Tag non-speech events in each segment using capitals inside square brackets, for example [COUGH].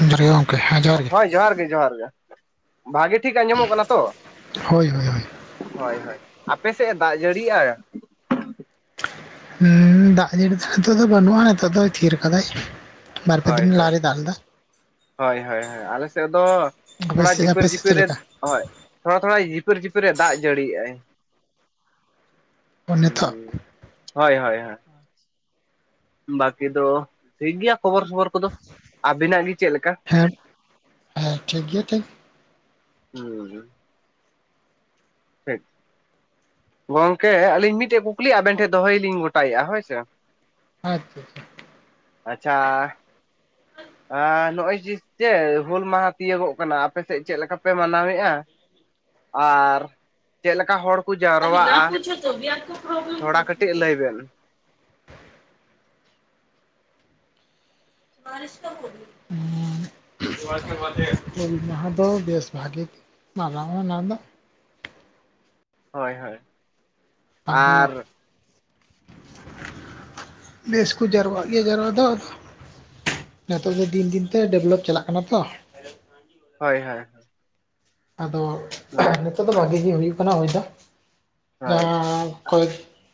ᱡᱚᱦᱟᱨ ᱜᱮ ᱜᱚᱝᱠᱮ, ᱦᱮᱸ ᱡᱚᱦᱟᱨ ᱜᱮ᱾ ᱦᱳᱭ ᱡᱚᱦᱟᱨ ᱜᱮ ᱡᱚᱦᱟᱨ ᱜᱮ, ᱵᱷᱟᱹᱜᱮ ᱴᱷᱤᱠ ᱟᱸᱡᱚᱢᱚᱜ ᱠᱟᱱᱟ ᱛᱚ? ᱦᱳᱭ ᱦᱳᱭ ᱦᱳᱭ ᱦᱳᱭ ᱦᱳᱭ, ᱟᱯᱮᱥᱮᱫ ᱮ ᱫᱟᱜ ᱡᱟᱹᱲᱤᱭᱮ-ᱟᱭ? ᱩᱸ ᱫᱟᱜ ᱡᱟᱹᱲᱤ ᱦᱤᱛᱳᱜ ᱫᱚ ᱵᱟᱹᱱᱩᱜᱼᱟ ᱱᱤᱛᱚᱜ ᱫᱚᱭ ᱛᱷᱤᱨ ᱠᱟᱫᱟᱭ᱾ ᱵᱟᱨ ᱯᱮ ᱦᱳᱭ ᱫᱤᱱ ᱞᱟᱦᱟ ᱦᱳᱭ ᱨᱮ ᱫᱟᱜ ᱞᱮᱫᱟ᱾ ᱦᱳᱭ ᱦᱳᱭ ᱦᱳᱭ ᱟᱞᱮ ᱥᱮᱫ ᱫᱚ ᱟᱯᱮ ᱛᱷᱚᱲᱟ ᱥᱮᱫ ᱡᱷᱤᱯᱤᱨ ᱟᱯᱮ ᱥᱮᱫ ᱡᱷᱤᱯᱤᱨ ᱪᱮᱫ ᱨᱮ ᱞᱮᱠᱟ ᱦᱳᱭ ᱛᱷᱚᱲᱟ ᱛᱷᱚᱲᱟᱭ ᱡᱷᱤᱯᱤᱨ ᱡᱷᱤᱯᱤᱨ ᱮ ᱫᱟᱜ ᱡᱟᱹᱲᱤᱭᱮᱜ-ᱟᱭ᱾ ᱚ ᱱᱤᱛᱚᱜ? ᱦᱳᱭ ᱦᱳᱭ ᱦᱳᱭ᱾ ᱵᱟᱠᱤ ᱫᱚ ᱴᱷᱤᱠ ᱜᱮᱭᱟ ᱠᱷᱚᱵᱚᱨ ᱯᱷᱚᱵᱚᱨ᱾ ᱠᱟᱫᱚ ᱟᱵᱤᱱᱟᱜ ᱜᱮ ᱪᱮᱫ ᱞᱮᱠᱟ? ᱦᱮᱸ ᱦᱮᱸ ᱴᱷᱤᱠ ᱜᱮᱭᱟ ᱴᱷᱤᱠ ᱦᱩᱸ᱾ ᱴᱷᱤᱠ᱾ ᱜᱚᱝᱠᱮ ᱟᱹᱞᱤᱧ ᱢᱤᱫᱴᱮᱡ ᱠᱩᱠᱞᱤ ᱟᱵᱮᱱ ᱴᱷᱮᱱ ᱫᱚᱦᱚᱭ ᱞᱤᱧ ᱜᱚᱴᱟᱭᱮᱫᱼᱟ, ᱦᱳᱭ ᱥᱮ᱾ ᱟᱪᱪᱷᱟ ᱪᱷᱟ᱾ ᱟᱪᱪᱷᱟ [INAUDIBLE] ᱟ ᱱᱚᱜᱼᱚᱭ ᱡᱮ ᱪᱮ ᱦᱩᱞ ᱢᱟᱦᱟ ᱛᱤᱭᱟᱹᱜᱚᱜ ᱠᱟᱱᱟ ᱟᱯᱮ ᱥᱮᱫ ᱪᱮᱫ ᱞᱮᱠᱟ ᱯᱮ ᱢᱟᱱᱟᱣᱮᱫᱼᱟ? ᱟᱨ ᱪᱮᱫ ᱞᱮᱠᱟ ᱦᱚᱲ ᱠᱚ ᱡᱟᱣᱨᱟᱜᱼᱟ [UNINTELLIGIBLE] ᱛᱷᱚᱲᱟ ᱠᱟᱹᱴᱤᱡ ᱞᱟᱹᱭ ᱵᱮᱱ᱾ [UNINTELLIGIBLE] ᱦᱩᱞ ᱢᱟᱦᱟᱸ ᱫᱚ ᱵᱮᱥ ᱵᱷᱟᱜᱮ ᱜᱮ ᱢᱟᱱᱟᱣᱟ ᱚᱱᱟ ᱫᱚ᱾ ᱦᱳᱭ ᱦᱳᱭ᱾ ᱟᱫᱚ ᱟᱨ ᱵᱮᱥ ᱠᱚ ᱡᱟᱨᱣᱟᱜ ᱜᱮᱭᱟ ᱡᱟᱨᱣᱟ ᱫᱚ ᱟᱫᱚ᱾ ᱱᱤᱛᱚᱜ ᱫᱚ ᱫᱤᱱ ᱫᱤᱱ ᱛᱮ ᱰᱮᱵᱷᱞᱚᱯ ᱪᱟᱞᱟᱜ ᱠᱟᱱᱟ ᱛᱚ᱾ ᱦᱳᱭ ᱦᱳᱭ᱾ ᱟᱫᱚ ᱦᱳᱭ᱾ ᱦᱤᱛᱳᱜ ᱫᱚ ᱵᱷᱟᱜᱤ ᱜᱮ ᱦᱩᱭᱩᱜ ᱠᱟᱱᱟ ᱦᱳᱭ ᱫᱚ ᱦᱳᱭ ᱡᱟᱦᱟᱸ ᱠᱚᱭ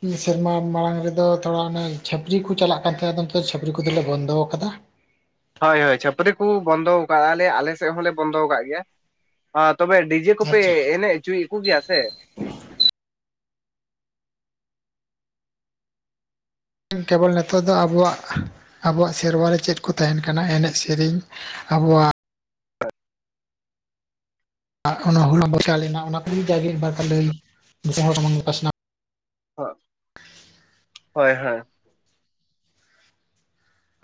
ᱢᱤᱫ ᱥᱮᱨᱢᱟ ᱢᱟᱲᱟᱝ ᱨᱮᱫᱚ ᱛᱷᱚᱲᱟ ᱚᱱᱮ ᱪᱷᱟᱹᱯᱨᱤ ᱠᱚ ᱪᱟᱞᱟᱜ ᱠᱟᱱ ᱛᱟᱦᱮᱸᱜ ᱟᱫᱚ ᱱᱤᱛᱚᱜ ᱪᱷᱟᱹᱯᱨᱤ ᱠᱚᱫᱚ ᱞᱮ ᱵᱚᱱᱫᱚ ᱟᱠᱟᱫᱟ᱾ ᱦᱳᱭ ᱦᱳᱭ ᱪᱷᱟᱹᱯᱨᱤ ᱠᱩ ᱵᱚᱱᱫᱚᱣ ᱠᱟᱜ ᱟᱞᱮ ᱟᱞᱮ ᱥᱮᱫ ᱦᱚᱸ ᱞᱮ ᱵᱚᱱᱫᱚ ᱠᱟᱜ ᱜᱮᱭᱟ᱾ ᱦᱚ ᱛᱚᱵᱮ ᱰᱤ ᱡᱮ ᱠᱚᱯᱮ ᱟᱪᱪᱷᱟ ᱟᱪᱪᱷᱟ ᱮᱱᱮᱡ ᱦᱚᱪᱚᱭᱮᱫ ᱠᱚᱜᱮᱭᱟ ᱥᱮ? ᱠᱮᱵᱚᱞ ᱱᱤᱛᱚᱜ ᱫᱚ ᱟᱵᱚᱣᱟᱜ ᱟᱵᱚᱣᱟᱜ ᱥᱮᱨᱣᱟ ᱨᱮ ᱪᱮᱫ ᱠᱚ ᱛᱟᱦᱮᱱ ᱠᱟᱱᱟ ᱮᱱᱮᱡ ᱥᱮᱨᱮᱧ ᱟᱵᱚᱣᱟᱜ ᱟᱨ ᱚᱱᱟ ᱦᱩᱞ [INAUDIBLE] ᱞᱮᱱᱟ ᱚᱱᱟ ᱠᱚ ᱜᱮ ᱢᱤᱫ ᱵᱟᱨ ᱞᱟᱹᱭ ᱫᱤᱥᱚᱢ ᱦᱚᱲ ᱥᱟᱢᱟᱝ ᱨᱮ ᱯᱟᱥᱱᱟᱣ ᱦᱚᱜ, ᱦᱳᱭ ᱦᱳᱭ᱾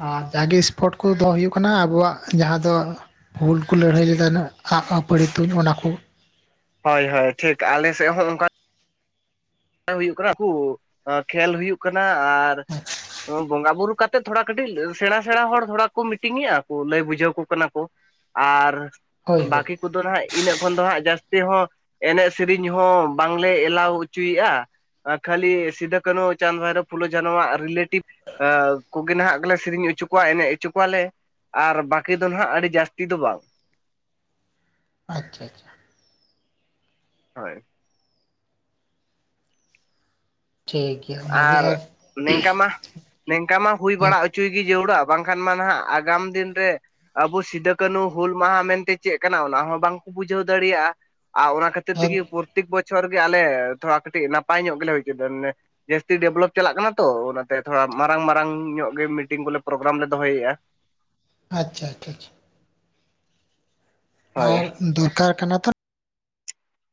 ᱟᱨ ᱡᱟᱜᱮ ᱥᱯᱳᱨᱴ ᱠᱚ ᱫᱚᱦᱚ ᱦᱩᱭᱩᱜ ᱠᱟᱱᱟ ᱟᱵᱚᱣᱟᱜ ᱡᱟᱦᱟᱸ ᱫᱚ ᱦᱩᱞ ᱠᱚ ᱞᱟᱹᱲᱦᱟᱹᱭ ᱞᱮᱫᱟ ᱱᱟᱜ [UNINTELLIGIBLE] ᱛᱩᱧ, ᱚᱱᱟ ᱠᱚ᱾ ᱦᱳᱭ ᱦᱳᱭ ᱴᱷᱤᱠ ᱟᱞᱮ ᱥᱮᱫ ᱦᱚᱸ ᱚᱱᱠᱟ ᱦᱩᱭᱩᱜ ᱠᱟᱱᱟ ᱩᱱᱠᱩ ᱮᱸ ᱠᱷᱮᱞ ᱦᱩᱭᱩᱜ ᱠᱟᱱᱟ ᱟᱨ ᱵᱚᱸᱜᱟ ᱵᱩᱨᱩ ᱠᱟ ᱴᱤᱡ ᱛᱷᱚᱲᱟ ᱠᱟᱹᱴᱤᱡ ᱥᱮᱬᱟ ᱥᱮᱬᱟ ᱦᱚᱲ ᱛᱷᱚᱲᱟ ᱠᱚ ᱢᱤᱴᱤᱝᱮᱼᱟ ᱠᱚ ᱞᱟᱹᱭ ᱵᱩᱡᱷᱟᱹᱣᱟᱠᱚ ᱠᱟᱱᱟ ᱠᱚ᱾ ᱟᱨᱼᱼ ᱦᱳᱭ ᱦᱳᱭ ᱵᱟᱹᱠᱤ ᱠᱚᱫᱚ ᱦᱦᱜ ᱤᱱᱟᱹᱜ ᱠᱷᱚᱱ ᱫᱚ ᱦᱟᱸᱜ ᱡᱟᱹᱥᱛᱤ ᱦᱚᱸ ᱮᱱᱮᱡ ᱥᱮᱨᱮᱧ ᱦᱚᱸ ᱵᱟᱝᱞᱮ ᱮᱞᱟᱣ ᱦᱚᱪᱚ ᱦᱚᱪᱚᱭᱮᱫᱼᱟ ᱠᱷᱟᱹᱞᱤ ᱥᱤᱫᱩ ᱠᱟᱱᱦᱩ ᱪᱟᱸᱫᱽ ᱵᱷᱟᱭᱨᱳ ᱯᱷᱩᱞᱳ ᱡᱟᱱᱚᱣᱟᱜ ᱨᱤᱞᱮᱴᱤᱵᱷ ᱠᱚᱜᱮ ᱱᱟᱦᱟᱜ ᱠᱚᱞᱮ ᱥᱮᱨᱮᱧ ᱦᱚᱪᱚ ᱠᱚᱣᱟ ᱮᱱᱮᱡ ᱦᱚᱪᱚ ᱠᱚᱣᱟᱞᱮ ᱟᱨ ᱵᱟᱹᱠᱤ ᱫᱚ ᱱᱟᱦᱟᱜ ᱟᱹᱰᱤ ᱡᱟᱹᱥᱛᱤ ᱫᱚ ᱵᱟᱝ ᱟᱪᱪᱷᱟ, ᱟᱪᱪᱷᱟ ᱦᱳᱭ ᱴᱷᱤᱠ ᱜᱮᱼᱼ ᱟᱨ ᱱᱤᱝᱠᱟ ᱢᱟ ᱱᱤᱝᱠᱟ ᱢᱟ ᱦᱩᱭ ᱵᱟᱲᱟ ᱦᱚᱪᱚᱭ ᱜᱮ ᱡᱟᱹᱨᱩᱲᱟ ᱵᱟᱝᱠᱷᱟᱱ ᱢᱟ ᱱᱟᱦᱟᱜ ᱟᱜᱟᱢ ᱫᱤᱱ ᱨᱮᱼᱼ ᱟᱵᱚ ᱥᱤᱫᱩ ᱠᱟᱱᱦᱩ ᱦᱩᱞ ᱢᱟᱦᱟ ᱢᱮᱱᱛᱮ ᱪᱮᱫ ᱠᱟᱱᱟ ᱚᱱᱟ ᱦᱚᱸ ᱵᱟᱝᱠᱚ ᱵᱩᱡᱷᱟᱹᱣ ᱫᱟᱲᱮᱭᱟᱜᱼᱟ ᱟᱨ ᱚᱱᱟ ᱠᱷᱟᱹᱛᱤᱼᱼ ᱠᱷᱟᱹᱛᱤᱨ ᱟᱪᱪᱷᱟ ᱛᱮᱜᱮ ᱯᱨᱚᱛᱮᱠ ᱵᱚᱪᱷᱚᱨ ᱜᱮ ᱟᱞᱮ ᱛᱷᱚᱲᱟ ᱠᱟᱹᱴᱤᱡ ᱱᱟᱯᱟᱭ ᱧᱚᱜ ᱜᱮᱞᱮ ᱦᱩᱭᱪᱚᱟᱼᱼ ᱡᱟᱹᱥᱛᱤ ᱰᱮᱵᱷᱞᱚᱯ ᱪᱟᱞᱟᱜ ᱠᱟᱱᱟ ᱛᱚ ᱚᱱᱟᱛᱮ ᱛᱷᱚᱲᱟ ᱢᱟᱨᱟᱝ ᱢᱟᱨᱟᱝ ᱧᱚᱜ ᱜᱮ ᱢᱤᱴᱤᱝ ᱵᱚᱞᱮ ᱯᱨᱳᱜᱨᱟᱢ ᱞᱮ ᱫᱚᱦᱚᱭᱮᱫᱼᱟ᱾ ᱟᱪᱪᱷᱟ ᱟᱪᱪᱷᱟ ᱪᱷᱟ ᱦᱳᱭ ᱟᱨ ᱫᱚᱨᱠᱟᱨ ᱠᱟᱱᱟ ᱛᱼᱼ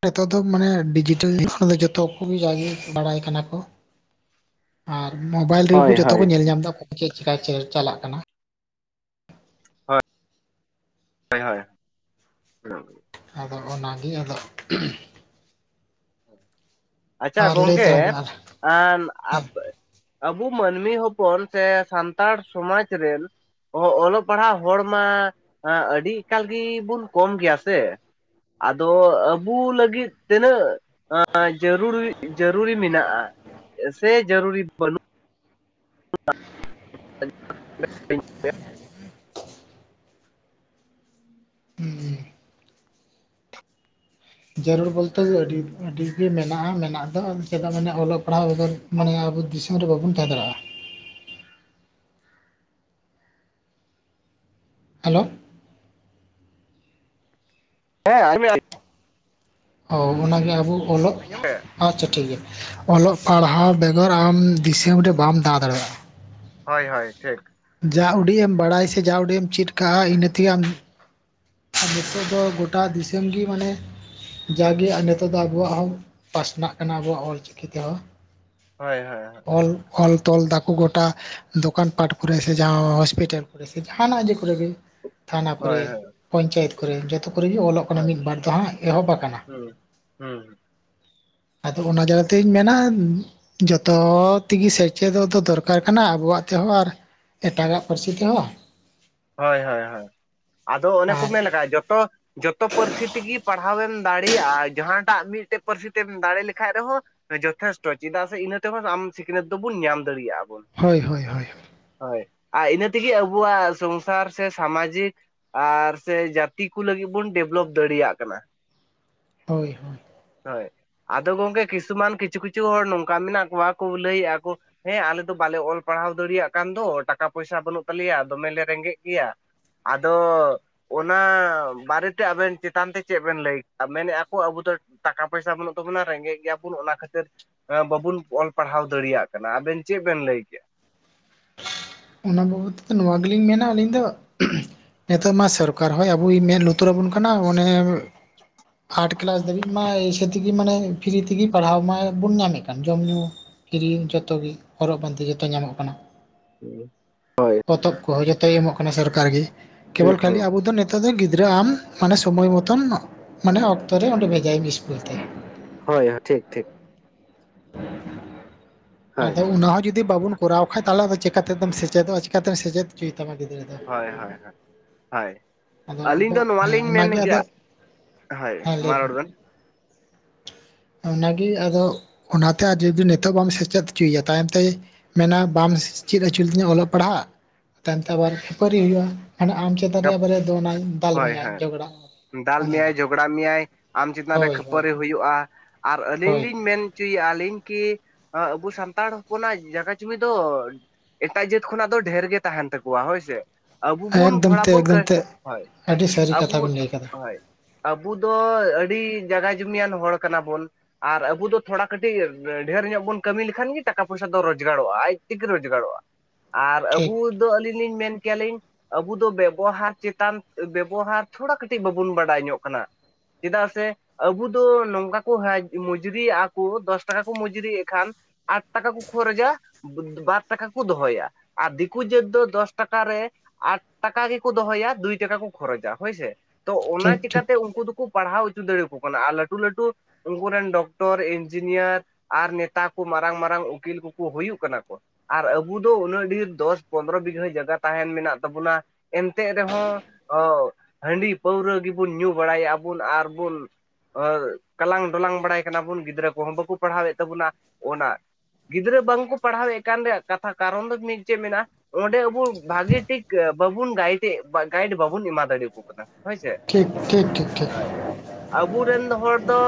ᱱᱤᱛᱚᱜ ᱫᱚ ᱢᱟᱱᱮ ᱰᱤᱡᱤᱴᱮᱞ ᱡᱩᱜ‌ᱽ ᱠᱷᱟᱱ ᱡᱚᱛᱚ ᱠᱚᱜᱮ ᱡᱟᱜᱮ ᱵᱟᱲᱟᱭ ᱠᱟᱱᱟ ᱠᱚᱼᱼ ᱟᱨ ᱢᱳᱵᱟᱭᱤᱞ ᱨᱮᱜᱮ ᱠᱚ ᱦᱳᱭ ᱡᱚᱛᱚ ᱦᱳᱭ ᱠᱚ ᱧᱮᱞ ᱧᱟᱢᱫᱟ ᱚᱠᱟ ᱠᱚ ᱪᱮᱫ ᱪᱤᱠᱟ ᱪᱟᱞᱟᱜ ᱠᱟᱱᱟ᱾ ᱦᱳᱭ ᱦᱳᱭ [UNINTELLIGIBLE] ᱟᱫᱚ ᱚᱱᱟᱜᱮ ᱟᱫᱚ [UNINTELLIGIBLE] ᱟᱪᱪᱷᱟ ᱟᱨ ᱞᱟᱹᱭ ᱜᱚᱝᱠᱮ ᱛᱟᱞᱟᱝ ᱵᱮᱱ ᱟᱨ ᱟᱢ ᱟᱯᱮᱼᱼ ᱟᱵᱚ ᱢᱟᱹᱱᱢᱤ ᱦᱚᱯᱚᱱ ᱥᱮ ᱥᱟᱱᱛᱟᱲ ᱥᱚᱢᱟᱡᱽ ᱨᱮᱱᱼᱼ ᱚ ᱚᱞᱚᱜ ᱯᱟᱲᱦᱟᱜ ᱦᱚᱲ ᱢᱟ ᱟᱹᱰᱤ ᱮᱠᱟᱞ ᱜᱮ ᱵᱚᱱ ᱠᱚᱢ ᱜᱮᱭᱟ ᱥᱮᱼᱼ ᱟᱫᱚ ᱟᱵᱩ ᱞᱟᱹᱜᱤᱫ ᱛᱤᱱᱟᱹᱜᱼᱼ ᱡᱟᱹᱨᱩᱲᱤ ᱡᱟᱹᱨᱩᱨᱤ ᱢᱮᱱᱟᱜᱼᱟ ᱥᱮ ᱡᱟᱹᱨᱩᱨᱤ ᱵᱟᱹᱱᱩᱜᱼᱼ [UNINTELLIGIBLE] ᱦᱩᱸ ᱦᱩᱸ ᱡᱟᱹᱨᱩᱲ ᱵᱚᱞᱛᱮ ᱫᱚ ᱟᱹᱰᱤ ᱟᱹᱰᱤᱜᱮ ᱢᱮᱱᱟᱜᱼᱟ ᱢᱮᱱᱟᱜ ᱫᱚ ᱪᱮᱫᱟᱜ ᱢᱟᱱᱮ ᱚᱞᱚᱜ ᱯᱟᱲᱦᱟᱣ ᱵᱚᱫᱚᱞᱼᱼ ᱢᱟᱱᱮ ᱟᱵᱚ ᱫᱤᱥᱚᱢ ᱨᱮ ᱵᱟᱵᱚᱱ ᱛᱟᱦᱮᱸ ᱫᱟᱲᱮᱭᱟᱜᱼᱟ᱾ ᱦᱮᱞᱳ? ᱦᱮᱸ ᱟᱡᱚᱢᱮᱫ ᱟᱞᱤᱧ ᱚ ᱚᱱᱟᱜᱮ ᱟᱵᱚ ᱚᱞᱚᱜᱼᱼ ᱟᱸᱡᱚᱢ ᱟᱪᱪᱷᱟ ᱴᱷᱤᱠ ᱜᱮᱭᱟ ᱚᱞᱚᱜ ᱯᱟᱲᱦᱟᱣ ᱵᱮᱜᱚᱨ ᱟᱢ ᱫᱤᱥᱚᱢ ᱨᱮ ᱵᱟᱢ ᱫᱟᱸᱲᱟ ᱫᱟᱲᱮᱜᱼᱟ᱾ ᱦᱳᱭ ᱦᱳᱭ ᱴᱷᱤᱠ ᱡᱟ ᱩᱰᱤᱡ ᱮᱢ ᱵᱟᱲᱟᱭ ᱥᱮ ᱡᱟ ᱩᱰᱤᱡ ᱮᱢ ᱪᱮᱫ ᱠᱟᱜᱼᱟ ᱤᱱᱟᱹ ᱛᱮᱜ ᱟᱢᱼᱼ ᱟᱨ ᱱᱤᱛᱚᱜ ᱫᱚ ᱜᱚᱴᱟ ᱫᱤᱥᱚᱢ ᱜᱮ ᱢᱟᱱᱮᱼᱼ ᱡᱟᱜᱮ ᱟᱨ ᱱᱤᱛᱚᱜ ᱫᱚ ᱟᱵᱚᱣᱟᱜ ᱦᱚᱸ ᱯᱟᱥᱱᱟᱜ ᱠᱟᱱᱟ ᱟᱵᱚᱣᱟᱜ ᱚᱞᱪᱤᱠᱤ ᱛᱮᱦᱚᱸᱼᱼ ᱦᱚᱳᱭ ᱦᱚᱳᱭ ᱚᱞ ᱚᱞ ᱛᱚᱞ ᱫᱟᱠᱚ ᱜᱚᱴᱟᱼᱼ ᱫᱚᱠᱟᱱ ᱯᱟᱴ ᱠᱚᱨᱮ ᱥᱮ ᱡᱟᱦᱟᱸ ᱦᱚᱥᱯᱤᱴᱟᱞ ᱠᱚᱨᱮ ᱥᱮ ᱡᱟᱦᱟᱱᱟᱜ ᱡᱮ ᱠᱚᱨᱮ ᱛᱷᱟᱱᱟ ᱦᱳᱭ ᱠᱚᱨᱮᱼᱼ ᱦᱳᱭ ᱯᱧᱪᱟᱭᱮᱛ ᱠᱚᱨᱮ ᱡᱚᱛᱚ ᱠᱚᱨᱮᱜ ᱜᱮ ᱚᱞᱚᱜ ᱠᱟᱱᱟ ᱦᱳᱭ ᱢᱤᱫ ᱵᱟᱨ ᱫᱚ ᱦᱟᱸᱜ ᱮᱦᱚᱵ ᱟᱠᱟᱱᱟ᱾ ᱦᱩᱸ ᱦᱩᱸ ᱟᱫᱚ ᱚᱱᱟ ᱡᱟᱭᱜᱟᱛᱤᱧ ᱢᱮᱱᱟᱼᱼ ᱡᱚᱛᱚ ᱛᱮᱜᱮ ᱥᱮᱪᱮᱫᱚᱜ ᱫᱚ ᱫᱚᱨᱠᱟᱨ ᱠᱟᱱᱟ ᱟᱵᱚᱣᱟᱜ ᱛᱮᱦᱚᱸ ᱟᱨᱼᱼ ᱮᱴᱟᱜᱟᱜ ᱯᱟᱹᱨᱥᱤ ᱛᱮᱦᱚᱸ᱾ ᱦᱳᱭ ᱦᱳᱭ ᱦᱳᱭ ᱟᱫᱚ ᱚᱱᱮ ᱠᱚ ᱟᱨ ᱢᱮᱱ ᱞᱮᱠᱷᱟᱡ ᱡᱚᱛᱚᱼᱼ ᱡᱚᱛᱚ ᱯᱟᱹᱨᱥᱤ ᱛᱮᱜᱮ ᱯᱟᱲᱦᱟᱣᱮᱢ ᱫᱟᱲᱮᱭᱟᱜᱼᱟ ᱡᱟᱦᱟᱸᱴᱟᱜ ᱢᱤᱫᱴᱮᱡ ᱯᱟᱹᱨᱥᱤ ᱛᱮᱢ ᱫᱟᱲᱮ ᱞᱮᱠᱷᱟᱡ ᱨᱮᱦᱚᱸᱼᱼ ᱡᱚᱛᱷᱮᱥᱴᱚ ᱪᱮᱫᱟᱜ ᱥᱮ ᱤᱱᱟᱹ ᱛᱮᱦᱚᱸ ᱟᱢ ᱥᱤᱠᱷᱱᱟᱹᱛ ᱫᱚᱵᱚᱱ ᱧᱟᱢ ᱫᱟᱲᱮᱭᱟᱜᱼᱟ ᱵᱚᱱ᱾ ᱦᱳᱭ ᱦᱳᱭ ᱦᱳᱭ᱾ ᱦᱳᱭ ᱟᱨ ᱤᱱᱟᱹ ᱛᱮᱜᱮ ᱟᱵᱚᱣᱟᱜ ᱥᱝᱥᱟ ᱥᱚᱝᱥᱟᱨ ᱥᱮ ᱥᱟᱢᱟᱡᱤᱠ ᱟᱨ ᱥᱮ ᱡᱟᱛᱤ ᱠᱚ ᱞᱟᱹᱜᱤᱫ ᱵᱚᱱ ᱰᱮᱵᱷᱞᱚᱯ ᱫᱟᱲᱮᱭᱟᱜ ᱠᱟᱱᱟ᱾ ᱦᱳᱭ ᱦᱳᱭ᱾ ᱦᱳᱭ ᱟᱫᱚ ᱜᱚᱝᱠᱮ ᱠᱤᱪᱷᱩᱢᱟᱱ ᱠᱤᱪᱷᱩ ᱠᱤᱪᱷᱩ ᱦᱚᱲ ᱱᱚᱝᱠᱟ ᱢᱮᱱᱟᱜ ᱠᱚᱣᱟ ᱠᱚ ᱞᱟᱹᱭᱮᱫᱼᱟ ᱠᱚ ᱦᱮᱸ ᱟᱞᱮ ᱫᱚ ᱵᱟᱞᱮ ᱚᱞ ᱯᱟᱲᱦᱟᱣ ᱫᱟᱲᱮᱭᱟᱜ ᱠᱟᱱ ᱫᱚ ᱴᱟᱠᱟ ᱯᱚᱭᱥᱟ ᱵᱟᱹᱱᱩᱜ ᱛᱟᱞᱮᱭᱟ ᱫᱚᱢᱮᱞᱮ ᱨᱮᱸᱜᱮᱡ ᱜᱮᱭᱟ᱾ ᱟᱫᱚ ᱚᱱᱟ ᱵᱟᱨᱮᱛᱮ ᱟᱵᱮᱱ ᱪᱮᱛᱟᱱ ᱛᱮ ᱪᱮᱫ ᱵᱮᱱ ᱞᱟᱹᱭ ᱢᱮᱱᱮᱫᱼᱟ ᱠᱚ ᱟᱵᱚ ᱫᱚ ᱴᱟᱠᱟ ᱯᱚᱭᱥᱟ ᱵᱟᱹᱱᱩᱜ ᱛᱟᱵᱚᱱᱟ ᱨᱮᱸᱜᱮᱡ ᱜᱮᱭᱟᱵᱚᱱ ᱚᱱᱟ ᱠᱷᱟᱹᱛᱤᱨ ᱵᱟᱵᱩᱱ ᱚᱞ ᱯᱟᱲᱦᱟᱣ ᱫᱟᱲᱮᱭᱟᱜ ᱠᱟᱱᱟ ᱟᱵᱮᱱ ᱪᱮᱫ ᱵᱮᱱ ᱞᱟᱹᱭᱠᱮᱜᱼᱟ? ᱚᱱᱟ ᱵᱟᱵᱚᱫ ᱛᱮᱫᱚ ᱱᱚᱣᱟ ᱜᱮᱞᱤᱧ ᱢᱮᱱᱟ ᱟᱹᱞᱤᱧ ᱫᱚ ᱱᱤᱛᱚᱜ ᱢᱟ ᱥᱚᱨᱠᱟᱨ ᱦᱚᱸᱭ ᱟᱵᱚᱭ ᱢᱮᱫ ᱞᱩᱛᱩᱨᱟᱵᱚᱱ ᱠᱟᱱᱟ ᱚᱱᱮ ᱟᱨᱴ ᱠᱮᱞᱟᱥ ᱫᱷᱟᱹᱵᱤᱡ ᱢᱟ ᱮᱭᱥᱟ ᱛᱮᱜᱤ ᱢᱟᱱᱮ ᱯᱷᱨᱤ ᱛᱮᱜᱮ ᱯᱟᱲᱦᱟᱣ ᱢᱟ ᱵᱚᱱ ᱧᱟᱢᱮᱫ ᱠᱟᱱ ᱡᱚᱢ ᱧᱩ᱾ ᱠᱤᱨᱤᱧ ᱡᱚᱛᱚᱜ ᱜᱮ ᱦᱚᱨᱚᱜ ᱵᱟᱸᱫᱮ ᱡᱚᱛᱚ ᱧᱟᱢᱚᱜ ᱠᱟᱱᱟ᱾ [UNINTELLIGIBLE] ᱯᱚᱛᱚᱵ ᱠᱚᱦᱚᱸ ᱡᱚᱛᱚᱭ ᱮᱢᱚᱜ ᱠᱟᱱᱟ ᱥᱚᱨᱠᱟᱨ ᱜᱮ ᱦᱩᱸ ᱠᱮᱵᱚᱞ ᱠᱷᱟᱹᱞᱤ ᱦᱩᱸ ᱟᱵᱚ ᱫᱚ ᱱᱤᱛᱚᱜ ᱫᱚ ᱜᱤᱫᱽᱨᱟᱹ ᱟᱢ ᱢᱟᱱᱮ ᱥᱚᱢᱳᱚᱭ ᱢᱚᱛᱚᱱ ᱢᱟᱱᱮ ᱚᱠᱛᱚ ᱨᱮ ᱚᱸᱰᱮ ᱵᱷᱮᱡᱟᱭᱢ ᱤᱥᱠᱩᱞ ᱛᱮ᱾ ᱦᱳᱭ ᱦᱳᱭ ᱴᱷᱤᱠ ᱴᱷᱤᱠ᱾ ᱦᱳᱭ ᱟᱫᱚ ᱚᱱᱟ ᱦᱚᱸ ᱡᱩᱫᱤ ᱵᱟᱵᱚᱱ ᱠᱚᱨᱟᱣ ᱠᱷᱟᱡ ᱛᱟᱦᱚᱞᱮ ᱟᱫᱚ ᱪᱤᱠᱟᱛᱮ ᱫᱚᱢ ᱥᱮᱪᱮᱫᱚᱜ ᱪᱤᱠᱟᱛᱮᱢ ᱥᱮᱪᱮᱫ ᱦᱚᱪᱚᱭ ᱛᱟᱢᱟ ᱜᱤᱫᱽᱨᱟᱹ ᱾ ᱦᱳᱭ ᱦᱳᱭ ᱦᱳᱭ ᱦᱳᱭ ᱟᱫᱚ ᱟᱹᱞᱤᱧ ᱫᱚ ᱱᱚᱣᱟ ᱦᱮᱸ ᱞᱤᱧ ᱚᱱᱟᱜᱮ ᱢᱮᱱ ᱠᱮᱭᱟ ᱟᱫᱚ ᱦᱳᱭ ᱦᱮᱸ ᱞᱟᱹᱭ ᱢᱟ ᱨᱚᱲ ᱵᱮᱱ᱾ ᱚᱱᱟᱜᱮ ᱟᱫᱚ ᱚᱱᱟᱛᱮ ᱡᱩᱫᱤ ᱱᱤᱛᱚᱜ ᱵᱟᱢ ᱥᱮᱪ ᱪᱮᱫ ᱦᱚᱪᱚᱭᱮᱭᱟ ᱛᱟᱭᱚᱢᱛᱮ ᱢᱮᱱᱟ ᱵᱟᱢ ᱪᱮᱫ ᱦᱚᱪᱚ ᱞᱤᱧᱟ ᱚᱞᱚᱜ ᱯᱟᱲᱦᱟᱜ᱾ ᱛᱟᱭᱚᱢᱛᱮ ᱟᱵᱟᱨ ᱠᱷᱟᱹᱯᱟᱹᱨᱤ ᱦᱩᱭᱩᱜᱼᱟ ᱢᱟᱱᱮ ᱟᱢ ᱪᱮᱛᱟᱱ ᱨᱮ ᱟᱵᱟᱨᱮ ᱫᱚᱱᱟᱭ ᱫᱟᱞ ᱦᱳᱭ ᱢᱮᱭᱟᱭ ᱦᱳᱭ ᱡᱷᱚᱜᱽᱲᱟᱜ᱾ ᱫᱟᱞ ᱢᱮᱭᱟᱭ ᱡᱷᱚᱜᱽᱲᱟ ᱢᱮᱭᱟᱭ ᱟᱢ ᱪᱮᱛᱟᱱ ᱨᱮ ᱦᱳᱭ ᱦᱳᱭ ᱠᱷᱟᱹᱯᱟᱹᱨᱤ ᱦᱩᱭᱩᱜᱼᱟ ᱟᱨ ᱟᱹᱞᱤᱧ ᱦᱳᱭ ᱞᱤᱧ ᱢᱮᱱ ᱦᱚᱪᱚᱭᱮᱫᱼᱟ ᱞᱤᱧ ᱠᱤ ᱟᱵᱚ ᱥᱟᱱᱛᱟᱲ ᱦᱚᱯᱚᱱᱟᱜ ᱡᱟᱭᱜᱟ ᱡᱩᱢᱤ ᱫᱚ ᱮᱴᱟᱜ ᱡᱟᱹᱛ ᱠᱷᱚᱱᱟᱜ ᱫᱚ ᱰᱷᱮᱨ ᱜᱮ ᱛᱟᱦᱮᱱ ᱛᱟᱠᱚᱣᱟ ᱦᱳᱭᱥᱮ ᱟᱵᱚ ᱵᱚᱱ ᱮᱠᱫᱚᱢ ᱛᱮ ᱟᱵᱚ ᱠᱟ ᱮᱠᱫᱚᱢ ᱛᱮ ᱦᱳᱭ ᱟᱹᱰᱤ ᱥᱟᱹᱨᱤ ᱠᱟᱛᱷᱟ ᱟᱵᱳ ᱵᱮᱱ ᱞᱟᱹᱭ ᱠᱟᱫᱟ ᱦᱳᱭ ᱟᱵᱚ ᱫᱚ ᱟᱹᱰᱤ ᱡᱟᱜᱟ ᱡᱩᱚᱢᱤᱭᱟᱱ ᱦᱚᱲ ᱠᱟᱱᱟᱵᱚᱱ᱾ ᱟᱨ ᱟᱵᱚ ᱫᱚ ᱛᱷᱚᱲᱟ ᱠᱟᱹᱴᱤᱡ ᱰᱷᱮᱨ ᱧᱚᱜ ᱵᱚᱱ ᱠᱟᱹᱢᱤ ᱞᱮᱠᱷᱟᱱ ᱜᱮ ᱴᱟᱠᱟ ᱯᱚᱭᱥᱟ ᱫᱚ ᱨᱚᱡᱜᱟᱨᱚᱜᱼᱟ ᱟᱡ ᱛᱮᱜᱮ ᱨᱚᱡᱜᱟᱨᱚᱜᱼᱟ᱾ [INAUDIBLE] ᱟᱨ ᱴᱷᱤᱠ ᱟᱹᱵᱚ ᱫᱚ ᱟᱹᱞᱤᱧ ᱞᱤᱧ ᱢᱮᱱ ᱠᱮᱭᱟᱞᱤᱧ ᱟᱵᱚ ᱵᱮᱵᱚᱦᱟᱨ ᱪᱮᱛᱟᱱ ᱵᱮᱵᱚᱦᱟᱨ ᱛᱷᱚᱲᱟ ᱠᱟᱹᱴᱤᱡ ᱵᱟᱵᱚᱱ ᱵᱟᱰᱟᱭ ᱧᱚᱜ ᱠᱟᱱᱟ ᱪᱮᱫᱟᱜ ᱥᱮ ᱟᱵᱚ ᱫᱚ ᱱᱚᱝᱠᱟ ᱠᱚ ᱢᱩᱡᱨᱤᱜᱼᱟ ᱠᱚ ᱫᱚᱥ ᱴᱟᱠᱟ ᱠᱚ ᱢᱡᱽᱨᱤᱭᱮᱫ ᱠᱷᱟᱱ ᱟᱴ ᱴᱟᱠᱟ ᱠᱚ ᱠᱷᱚᱨᱪᱟ᱾ ᱵᱟᱨ ᱴᱟᱠᱟ ᱠᱚ ᱫᱚᱦᱚᱭᱟ ᱟᱨ ᱫᱤᱠᱩ ᱡᱟᱹᱛ ᱫᱚ ᱫᱚᱥ ᱴᱟᱠᱟ ᱨᱮ ᱟᱴ ᱴᱟᱠᱟ ᱜᱮᱠᱚ ᱫᱚᱦᱚᱭᱟ ᱫᱩᱭ ᱴᱟᱠᱟ ᱠᱚ ᱠᱷᱚᱨᱚᱪᱟ ᱦᱳᱭᱥᱮ ᱛᱚ ᱚᱱᱟ ᱴᱷᱤᱠ ᱴᱷᱤᱠ ᱪᱤᱠᱟᱛᱮ ᱩᱱᱠᱩ ᱫᱚᱠᱚ ᱯᱟᱲᱦᱟᱣ ᱦᱚᱪᱚ ᱫᱟᱲᱮᱭᱟᱠᱚ ᱠᱟᱱᱟ ᱟᱨ ᱞᱟᱹᱴᱩ ᱞᱟᱹᱴᱩ ᱩᱱᱠᱩ ᱨᱮᱱ ᱰᱚᱠᱴᱚᱨ ᱤᱧᱡᱤᱱᱤᱭᱟᱨ ᱟᱨ ᱱᱮᱛᱟ ᱠᱚ ᱢᱟᱨᱟᱝ ᱢᱟᱨᱟᱝ ᱩᱠᱤᱞ ᱠᱚᱠᱚ ᱦᱩᱭᱩᱜ ᱠᱟᱱᱟ ᱠᱚ᱾ ᱟᱨ ᱟᱵᱚ ᱫᱚ ᱩᱱᱟᱹᱜ ᱰᱷᱮᱨ ᱫᱚᱥ ᱯᱚᱸᱱᱨᱚ ᱵᱤᱜᱷᱟᱹ ᱡᱟᱭᱜᱟ ᱛᱟᱦᱮᱱ ᱢᱮᱱᱟᱜ ᱛᱟᱵᱚᱱᱟ᱾ ᱮᱱᱛᱮᱜ ᱨᱮᱦᱚᱸ ᱦᱟᱺᱰᱤ ᱯᱟᱹᱣᱨᱟᱹ ᱜᱮᱵᱚᱱ ᱧᱩ ᱵᱟᱲᱟᱭᱮᱫᱼᱟ ᱵᱚᱱ ᱟᱨᱵᱚᱱ ᱠᱟᱞᱟᱝ ᱰᱚᱞᱟᱝ ᱵᱟᱲᱟᱭ ᱠᱟᱱᱟ ᱵᱚᱱ ᱜᱤᱫᱽᱨᱟᱹ ᱠᱚᱦᱚᱸ ᱵᱟᱠᱚ ᱯᱟᱲᱦᱟᱣᱮᱫ ᱛᱟᱵᱚᱱᱟ ᱚᱱᱟ ᱜᱤᱫᱽᱨᱟᱹ ᱵᱟᱝᱠᱚ ᱯᱟᱲᱦᱟᱣᱮᱫ ᱠᱟᱱ ᱨᱮᱭᱟᱜ ᱠᱟᱛᱷᱟ ᱠᱟᱨᱚᱱ ᱫᱚ ᱢᱤᱫ ᱪᱮᱫ ᱢᱮᱱᱟᱜᱼᱟ? ᱚᱸᱰᱮ ᱟᱵᱚ ᱵᱷᱟᱜᱤ ᱴᱷᱤᱠ ᱵᱟᱵᱩᱱ ᱜᱟᱭᱤᱰ ᱜᱟᱭᱤᱰ ᱵᱟᱵᱩᱱ ᱮᱢᱟ ᱫᱟᱲᱮᱭᱟᱠᱚ ᱠᱟᱱᱟ᱾ ᱦᱳᱭ ᱥᱮ? ᱴᱷᱤᱠ ᱴᱷᱤᱠ ᱴᱷᱤᱠ ᱴᱷᱤᱠ ᱦᱳᱭ᱾ ᱟᱵᱚᱨᱮᱱ ᱦᱚᱲ ᱫᱚ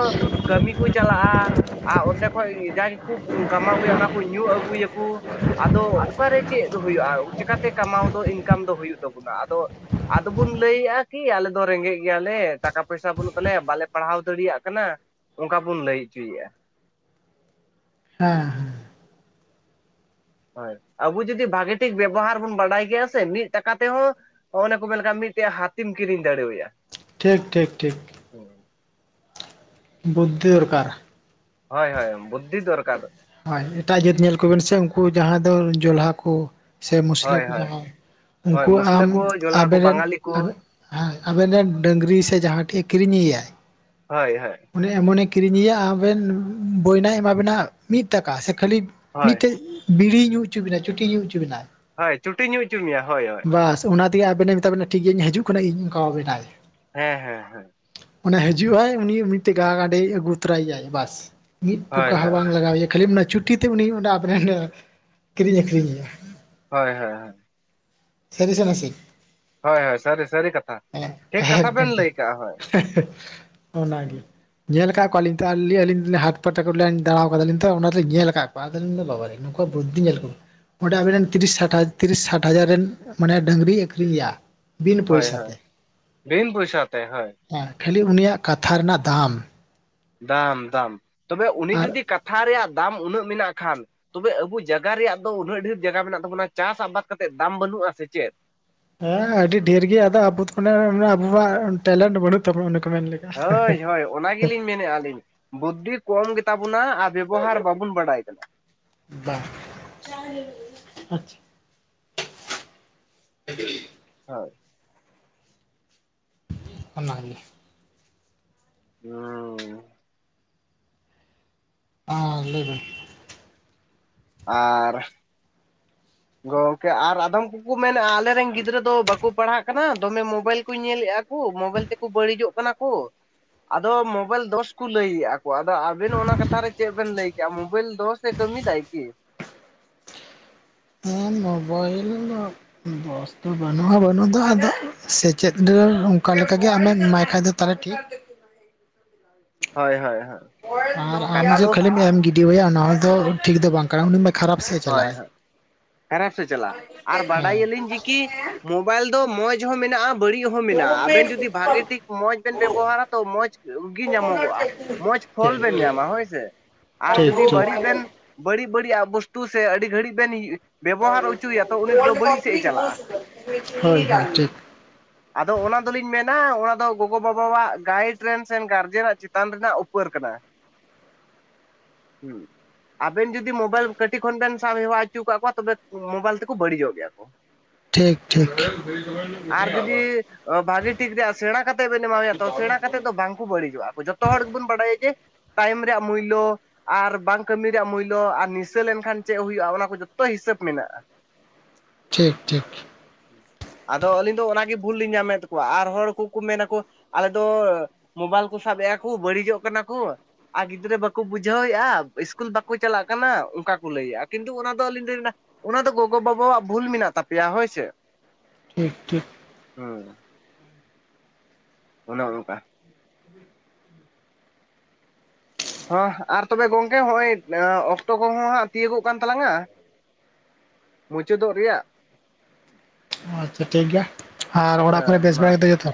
ᱠᱟᱹᱢᱤ ᱠᱚ ᱪᱟᱞᱟᱜᱼᱟ᱾ ᱟᱨ ᱚᱱᱛᱮ ᱠᱷᱚᱡ ᱡᱟ ᱜᱮᱠᱚ ᱠᱟᱢᱟᱣ ᱟᱹᱜᱩᱭᱟ ᱚᱱᱟ ᱠᱚ ᱧᱩ ᱟᱹᱜᱩᱭᱟᱠᱚ᱾ ᱟᱫᱚ ᱚᱠᱟᱨᱮ ᱪᱮᱫ ᱦᱩᱭᱩᱜᱼᱟ ᱪᱤᱠᱟᱛᱮ ᱠᱟᱢᱟᱣ ᱫᱚ ᱤᱱᱠᱟᱢ ᱫᱚ ᱦᱩᱭᱩᱜ ᱛᱟᱵᱚᱱᱟ ᱟᱫᱚ, ᱟᱫᱚ ᱵᱚᱱ ᱞᱟᱹᱭᱮᱜᱼᱟ ᱠᱤ ᱟᱞᱮ ᱫᱚ ᱨᱮᱸᱜᱮᱡ ᱜᱮᱭᱟᱞᱮ ᱴᱟᱠᱟ ᱯᱚᱭᱥᱟ ᱵᱟᱹᱱᱩᱜ ᱛᱟᱞᱮᱭᱟ ᱵᱟᱞᱮ ᱯᱟᱲᱦᱟᱣ ᱫᱟᱲᱮᱭᱟᱜ ᱠᱟᱱᱟ᱾ ᱚᱱᱠᱟ ᱵᱚᱱ ᱞᱟᱹᱭ ᱚᱪᱚᱭᱮᱫᱼᱟ᱾ ᱦᱮᱸᱦᱮᱸ, ᱦᱳᱭ ᱟᱵᱚ ᱡᱩᱫᱤ ᱵᱷᱟᱜᱤ ᱴᱷᱤᱠ ᱵᱮᱵᱚᱦᱟᱨ ᱵᱚᱱ ᱵᱟᱰᱟᱭ ᱠᱮᱭᱟ ᱥᱮ ᱢᱤᱫ ᱴᱟᱠᱟ ᱛᱮᱦᱚᱸ, ᱚᱱᱟᱠᱚ ᱢᱮᱱᱠᱷᱟᱱ ᱢᱤᱫᱴᱮᱱ ᱦᱟᱹᱛᱤᱢ ᱠᱤᱨᱤᱧ ᱫᱟᱲᱮᱣᱟᱭᱟ᱾ ᱴᱷᱤᱠ ᱴᱷᱤᱠ ᱴᱷᱤᱠ᱾ ᱵᱩᱫᱽᱫᱷᱤ ᱫᱚᱨᱠᱟᱨ᱾ ᱦᱳᱭ ᱦᱳᱭ ᱵᱩᱫᱽᱫᱷᱤ ᱫᱚᱨᱠᱟᱨ᱾ ᱦᱳᱭ ᱮᱴᱟᱜ ᱡᱟᱹᱛ ᱧᱮᱞ ᱠᱚᱵᱮᱱ ᱥᱮ ᱩᱱᱠᱩ ᱡᱟᱦᱟᱸ ᱫᱚ ᱡᱚᱞᱦᱟ ᱠᱚ ᱥᱮ ᱢᱩᱥᱞᱟᱹ ᱦᱳᱭ ᱠᱚ ᱦᱳᱭ ᱡᱟᱦᱟᱸᱭ, ᱦᱳᱭ ᱩᱱᱠᱩ ᱢᱩᱥᱞᱟᱹ ᱟᱢ ᱠᱚ ᱡᱚᱞᱟ ᱠᱚ ᱟᱵᱮᱱ ᱨᱮᱱ ᱵᱟᱝᱟᱞᱤ ᱠᱚ ᱟᱵᱮ ᱦᱮᱸ ᱟᱵᱮᱱ ᱨᱮᱱ ᱰᱟᱹᱝᱨᱤ ᱥᱮ ᱡᱟᱦᱟᱸ ᱴᱷᱮᱡ ᱮ ᱠᱤᱨᱤᱧᱮᱭᱟᱭ? ᱦᱳᱭ ᱦᱳᱭ, ᱚᱱᱮ ᱮᱢᱚᱱᱮ ᱠᱤᱨᱤᱧᱮᱭᱟ ᱟᱵᱮᱱ ᱵᱚᱭᱱᱟᱭ ᱮᱢᱟᱵᱮᱱᱟ ᱢᱤᱫ ᱴᱟᱠᱟ ᱥᱮ ᱠᱷᱟᱹᱞᱤ? ᱦᱳᱭ ᱢᱤᱫᱴᱮᱡ ᱵᱤᱲᱤ ᱧᱩ ᱦᱚᱪᱚ ᱵᱤᱱᱟ ᱪᱩᱴᱤ ᱧᱩ ᱦᱚᱪᱚ ᱵᱤᱱᱟ᱾ ᱦᱳᱭ ᱪᱩᱴᱤ ᱧᱩ ᱦᱚᱪᱚ ᱢᱮᱭᱟ ᱦᱳᱭ ᱦᱳᱭ᱾ ᱵᱟᱥ ᱚᱱᱟ ᱛᱮᱜᱮ ᱟᱵᱮᱱᱮ ᱢᱮᱛᱟᱵᱮᱱᱟ ᱴᱷᱤᱠ ᱜᱮᱭᱟ ᱤᱧ ᱦᱤᱡᱩᱜ ᱠᱟᱱᱟ ᱤᱧᱠᱷᱟᱣᱟᱵᱮᱱᱟᱭ᱾ ᱦᱮᱸ ᱦᱮᱸ ᱦᱮᱸ᱾ ᱚᱱᱮ ᱦᱤᱡᱩᱜᱼᱟᱭ ᱩᱱᱤ ᱢᱤᱫᱴᱟᱠᱟ ᱜᱟᱱᱮ ᱟᱹᱜᱩ ᱛᱚᱨᱟᱭᱮᱭᱟᱭ ᱵᱟᱥ ᱢᱤᱫ ᱯᱳᱠᱟ ᱦᱳᱭ ᱦᱚᱸ ᱦᱳᱭ ᱵᱟᱝ, ᱞᱟᱜᱟᱣᱮᱭᱟ ᱠᱷᱟᱹᱞᱤ ᱚᱱᱟ ᱪᱩᱴᱤ ᱛᱮ ᱩᱱᱤ ᱚᱸᱰᱮ ᱟᱯ [INAUDIBLE] ᱠᱤᱨᱤᱧ ᱟᱹᱠᱷᱨᱤᱧᱮᱭᱟ᱾ ᱦᱳᱭ ᱦᱳᱭ ᱦᱳᱭ᱾ ᱥᱟᱹᱨᱤ ᱥᱮ ᱱᱟᱥᱮ? ᱦᱳᱭ ᱦᱳᱭ, ᱥᱟᱹᱨᱤ, ᱥᱟᱹᱨᱤ ᱠᱟᱛᱷᱟ ᱾ ᱴᱷᱤᱠ ᱠᱟᱛᱷᱟ ᱵᱮᱱ ᱞᱟᱹᱭ ᱠᱟᱜᱼᱟ, ᱦᱳᱭ ᱾ ᱦᱮᱸ ᱦᱮᱻ ᱚᱱᱟ ᱜᱮ᱾ ᱧᱮᱞ ᱟᱠᱟᱫ ᱠᱚᱣᱟᱞᱤᱧ ᱛᱚᱞᱤᱧ ᱟᱹᱞᱤᱧ ᱦᱟᱴ ᱯᱟᱛᱟ ᱫᱟᱬᱟ ᱟᱠᱟᱫᱟᱞᱤᱧ ᱛᱚ ᱚᱱᱟ ᱛᱮᱞᱤᱧ ᱧᱮᱞ ᱟᱠᱟᱫ ᱠᱚᱣᱟ ᱟᱫᱚᱞᱤᱧ ᱫᱚ ᱵᱟᱵᱟ ᱨᱮ, ᱚ ᱵᱩᱫᱽᱫᱷᱤ ᱧᱮᱞ ᱠᱚᱣᱟ ᱚᱸᱰᱮ ᱟᱵᱮᱱ ᱛᱤᱨᱤᱥ ᱫᱟᱢ, ᱛᱤᱨᱤᱥ ᱥᱟᱴ ᱦᱟᱡᱟᱨ ᱨᱮᱱ, ᱢᱟᱱᱮ ᱰᱟᱹᱝᱨᱤ ᱟᱹᱠᱷᱨᱤᱧᱮᱭᱟ᱾ ᱵᱤᱱ ᱦᱳᱭ ᱯᱚᱭᱥᱟ ᱛᱮ ᱦᱳᱭ ᱾ ᱵᱤᱱ ᱯᱚᱭᱥᱟᱹ ᱛᱮ, ᱦᱳᱭ᱾ ᱦᱮᱸ, ᱠᱷᱟᱹᱞᱤ ᱩᱱᱤᱭᱟᱜ ᱠᱟᱛᱷᱟ ᱨᱮᱱᱟᱜ ᱫᱟᱢ᱾ ᱫᱟᱢ ᱫᱟᱢ, ᱛᱚᱵᱮ ᱩᱱᱤ ᱟᱨ ᱡᱩᱫᱤ ᱠᱟᱛᱷᱟ ᱨᱮᱭᱟᱜ ᱫᱟᱢ ᱩᱱᱟᱹᱜ ᱢᱮᱱᱟᱜ ᱠᱷᱟᱱ? ᱛᱚᱵᱮ ᱟᱵᱚ ᱡᱟᱭᱜᱟ ᱨᱮᱭᱟᱜ ᱫᱚ ᱩᱱᱟᱹᱜ ᱰᱷᱮᱨ ᱡᱟᱜᱟ ᱢᱮᱱᱟᱜ ᱛᱟᱵᱚᱱᱟ, ᱪᱟᱥ ᱟᱵᱟᱫ ᱠᱟᱛᱮ ᱫᱟᱢ ᱵᱟᱹᱱᱩᱜᱼᱟ ᱥᱮ ᱪᱮᱫ? ᱦᱮᱸ, ᱟᱹᱰᱤ ᱰᱷᱮᱨ ᱜᱮ ᱟᱫᱚ ᱟᱵᱚ ᱟᱵᱚᱣᱟᱜ ᱴᱮᱞᱮᱱᱴ ᱵᱟᱹᱱᱩᱜ ᱛᱟᱵᱚᱱᱟ, ᱚᱱᱮ ᱠᱚ ᱢᱮᱱ ᱞᱮᱫ, ᱦᱳᱭ ᱦᱳᱭ᱾ ᱚᱱᱟ ᱜᱮᱞᱤᱧ ᱢᱮᱱᱮᱫᱼᱟ ᱞᱤᱧ ᱵᱩᱫᱽᱫᱷᱤ ᱠᱚᱢ ᱜᱮᱛᱟ ᱵᱚᱱᱟ ᱟᱨ ᱵᱮᱵᱚᱦᱟᱨ ᱵᱟᱵᱚᱱ ᱵᱟᱰᱟᱭ ᱠᱟᱱᱟ᱾ ᱵᱟᱝ [UNINTELLIGIBLE] [UNINTELLIGIBLE] ᱟᱪᱪᱷᱟ, ᱦᱳᱭ᱾ ᱚᱱᱟ ᱜᱮ᱾ ᱦᱩᱸ ᱟ ᱞᱟᱹᱭᱵᱮᱱ? ᱟᱨ᱾ ᱜᱚᱝᱠᱮ ᱟᱨ ᱟᱫᱚᱢ ᱠᱚᱠᱚ ᱢᱮᱱᱮᱜᱼᱟ ᱟᱞᱮ ᱨᱮᱱ ᱜᱤᱫᱽᱨᱟᱹ ᱫᱚ ᱵᱟᱠᱚ ᱯᱟᱲᱦᱟᱜ ᱠᱟᱱᱟ, ᱫᱚᱢᱮ ᱢᱳᱵᱟᱭᱤᱞ ᱠᱚᱧ ᱧᱮᱞᱮᱜᱼᱟ᱾ [UNINTELLIGIBLE] ᱢᱳᱵᱟᱭᱤᱞ ᱛᱮᱠᱚ ᱵᱟᱹᱲᱤᱡᱚᱜ ᱠᱟᱱᱟ ᱠᱚ, ᱟᱫᱚ ᱢᱳᱵᱟᱭᱤᱞ ᱫᱚᱥ ᱠᱚ ᱞᱟᱹᱭᱮᱜᱼᱟ᱾ ᱟᱫᱚ ᱟᱵᱮᱱ ᱚᱱᱟ ᱠᱟᱛᱷᱟ ᱨᱮ ᱪᱮᱫ ᱵᱮᱱ ᱞᱟᱹᱭ ᱠᱮᱜᱼᱟ? ᱢᱳᱵᱤᱞ ᱫᱚᱥ ᱮ ᱠᱟᱹᱢᱤᱭᱮᱫᱟᱭ ᱠᱤ? ᱦᱮᱸ, ᱢᱳᱵᱟᱭᱤᱞ ᱫᱚ ᱫᱚᱥ ᱫᱚ ᱵᱟᱹᱱᱩᱜᱼᱟ ᱵᱟᱹᱱᱩᱜ ᱫᱚ, ᱟᱫᱚ ᱥᱮᱪᱮᱫ [UNINTELLIGIBLE] ᱚᱱᱠᱟ ᱞᱮᱠᱟ ᱜᱮ ᱟᱢᱮᱢ ᱮᱢᱟᱭ ᱠᱷᱟᱡ ᱫᱚ ᱛᱟᱦᱚᱞᱮ ᱴᱷᱤᱠ ᱦᱚᱭ ᱦᱚᱭ ᱦᱳᱭ ᱾ ᱟᱨ ᱟᱢ ᱡᱮ ᱠᱷᱟᱹᱞᱤᱢ ᱮᱢ ᱜᱤᱰᱤᱣᱟᱭᱟ ᱚᱱᱟ ᱦᱚᱸ ᱫᱚ ᱴᱷᱤᱠ ᱫᱚ ᱵᱟᱝ ᱠᱟᱱᱟ, ᱩᱱᱤ ᱢᱟ ᱠᱷᱟᱨᱟᱯ ᱥᱮ ᱦᱳᱭ ᱦᱳᱭ, ᱠᱷᱟᱨᱟᱯ ᱥᱮᱫ ᱪᱟᱞᱟᱜᱼᱟ, ᱟᱨ ᱵᱟᱰᱟᱭᱟᱹᱞᱤᱧ ᱡᱮ ᱠᱤ ᱦᱮᱸ ᱢᱚᱵᱟᱭᱤᱞ ᱫᱚ ᱢᱚᱸᱡᱽ ᱦᱚᱸ ᱢᱮᱱᱟᱜᱼᱟ ᱵᱟᱹᱲᱤᱡ ᱦᱚᱸ ᱢᱮᱱᱟᱜᱼᱟ ᱾ ᱟᱵᱮᱱ ᱡᱩᱫᱤ ᱵᱷᱟᱜᱤ ᱴᱷᱤᱠ ᱢᱚᱸᱡᱽ ᱵᱮᱱ ᱵᱮᱵᱚᱦᱟᱨᱟ, ᱛᱚ ᱢᱚᱸᱡᱽ ᱜᱮ ᱧᱟᱢᱚᱜᱚᱜᱼᱟ ᱾ ᱢᱚᱡᱽ ᱯᱷᱚᱞ ᱵᱮᱱ ᱧᱟᱢᱟ ᱦᱳᱭ ᱥᱮ ᱴᱷᱤᱠ ᱟᱨ ᱴᱷᱤᱠ ᱡᱩᱫᱤ ᱦᱳᱭ ᱵᱟᱹᱲᱤᱡ ᱵᱮᱱ ᱵᱟᱹᱲᱤᱡ ᱵᱟᱹᱲᱤᱡ ᱟᱜ ᱵᱚᱥᱛᱩ ᱥᱮ ᱟᱹᱰᱤ ᱜᱷᱟᱹᱲᱤᱡ ᱵᱮᱱ ᱤ ᱵᱮᱵᱚᱦᱟᱨ ᱦᱚᱪᱚᱭᱮᱭᱟ ᱛᱚ ᱩᱱᱤ ᱫᱚ ᱵᱟᱹᱲᱤᱡ ᱥᱮᱫᱼᱮ ᱪᱟᱞᱟᱜᱼᱟ ᱦᱳᱭ ᱾ ᱟᱫᱚ ᱚᱱᱟ ᱫᱚᱞᱤᱧ ᱢᱮᱱᱟ, ᱚᱱᱟ ᱫᱚ ᱜᱚᱜᱚᱼᱵᱟᱵᱟᱣᱟᱜ ᱜᱟᱭᱤᱰ ᱨᱮᱱ ᱥᱮᱱ ᱜᱟᱨᱡᱮᱱᱟᱜ ᱪᱮᱛᱟᱱ ᱨᱮᱱᱟᱜ ᱩᱯᱟᱹᱨ ᱠᱟᱱᱟ ᱾ [INAUDIBLE] ᱦᱩᱸ, ᱟᱵᱮᱱ ᱡᱩᱫᱤ ᱢᱳᱵᱟᱭᱤᱞ ᱠᱟᱹᱴᱤᱡ ᱠᱷᱚᱱ ᱵᱮᱱ ᱥᱟᱵ ᱦᱮᱣᱟ ᱦᱚᱪᱚ ᱟᱠᱟᱫ ᱠᱚᱣᱟ, ᱛᱚᱵᱮ ᱢᱳᱵᱟᱭᱤᱞ ᱛᱮᱠᱚ ᱵᱟᱹᱲᱤᱡᱚᱜ ᱜᱮᱭᱟ ᱠᱚ ᱾ ᱴᱷᱤᱠ, ᱴᱷᱤᱠ ᱾ ᱟᱨ ᱡᱩᱫᱤ ᱵᱷᱟᱹᱜᱤ ᱴᱷᱤᱠ ᱨᱮᱭᱟᱜ ᱥᱮᱬᱟ ᱠᱟᱛᱮ ᱵᱮᱱ ᱮᱢᱟ ᱦᱩᱭᱩᱜᱼᱟ, ᱛᱚ ᱥᱮᱬᱟ ᱠᱟᱛᱮ ᱫᱚ ᱵᱟᱝᱠᱚ ᱵᱟᱹᱲᱤᱡᱚᱜᱼᱟ ᱠᱚ ᱡᱚ ᱛᱚ ᱦᱚᱲ ᱜᱮᱵᱚᱱ ᱵᱟᱲᱟᱭᱟ ᱡᱮ ᱛᱟᱭᱚᱢ ᱨᱮᱭᱟᱜ ᱢᱩᱭᱞᱚ ᱟᱨ ᱵᱟᱝ ᱠᱟᱹᱢᱤ ᱨᱮᱭᱟᱜ ᱢᱩᱭᱞᱚ ᱟᱨ ᱱᱤᱥ ᱥᱟᱹ ᱞᱮᱱᱠᱷᱟᱱ ᱪᱮᱫ ᱦᱩᱭᱩᱜᱼᱟ ᱚᱱᱟ ᱠᱚ ᱡᱚᱛᱚ ᱦᱤᱥᱟᱹᱵᱽ ᱢᱮᱱᱟᱜᱼᱟ ᱾ ᱴᱷᱤᱠ ᱴᱷᱤᱠ ᱟᱫᱚ ᱟᱹᱞᱤᱧ ᱫᱚ ᱚᱱᱟ ᱜᱮ ᱵᱷᱩᱞ ᱞᱤᱧ ᱧᱟᱢᱮᱫ ᱛᱟᱠᱚᱣᱟ ᱟᱨ ᱦᱚᱲ ᱠᱚᱠᱚ ᱢᱮᱱ ᱟᱠᱚ ᱟᱞᱮ ᱫᱚ ᱢᱳᱵᱟᱭᱤᱞ ᱠᱚ ᱥᱟᱵ ᱮᱫ ᱟᱠᱚ, ᱵᱟᱹᱲᱤᱡᱚᱜ ᱠᱟᱱᱟ ᱠᱚ ᱾ ᱟᱨ ᱜᱤᱫᱽᱨᱟᱹ ᱵᱟᱠᱩ ᱵᱩᱡᱷᱟᱹᱣᱮᱜᱼᱟ ᱤᱥᱠᱩᱞ ᱵᱟᱠᱩ ᱪᱟᱞᱟᱜ ᱠᱟᱱᱟ ᱾ ᱚᱠᱟ ᱠᱚ ᱞᱟᱹᱭᱮᱜᱼᱟ, ᱠᱤᱱᱛᱩ ᱚᱱᱟ ᱫᱚ ᱟᱹᱞᱤᱧ [UNINTELLIGIBLE] ᱚᱱᱟ ᱫᱚ ᱜᱚᱜᱚᱼᱵᱟᱵᱟᱣᱟᱜ ᱵᱷᱩᱞ ᱢᱮᱱᱟᱜ ᱛᱟᱯᱮᱭᱟ, ᱦᱳᱭ ᱥᱮ᱾ ᱴᱷᱤᱠ, ᱴᱷᱤᱠ ᱾ ᱦᱩᱸ ᱾ ᱚᱱᱮ ᱚᱱᱠᱟ ᱦᱚᱸ ᱟᱨ ᱛᱚᱵᱮ ᱜᱚᱝᱠᱮ ᱦᱚᱸᱜᱼᱚᱭ ᱚᱠᱛᱚ ᱠᱚᱦᱚᱸ ᱦᱟᱸᱜ ᱛᱤᱭᱟᱹᱜᱚᱜ ᱠᱟᱱ ᱛᱟᱞᱟᱝᱼᱟ ᱢᱩᱪᱟᱹᱫᱚᱜ ᱨᱮᱭᱟᱜ᱾ ᱟᱪᱪᱷᱟ ᱴᱷᱤᱠ ᱜᱮᱭᱟ, ᱟᱨ ᱚᱲᱟᱜ ᱠᱚᱨᱮ ᱦᱮᱸ ᱵᱮᱥ ᱢᱟ ᱵᱟᱲᱟ ᱜᱮᱛᱚ ᱡᱚᱛᱚ?